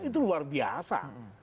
itu luar biasa